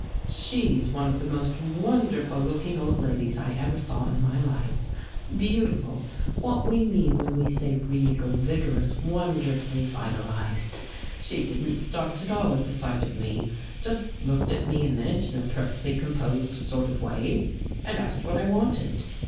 172 BEECH HILL She's one of the most wonderful looking old ladies I ever saw in my life; beautiful, what we mean when we say regal, vigorous, wonderfully vitalized. " She didn't start at all at the sight of me. Just looked at me a minute in a perfectly composed sort of way and asked what I wanted.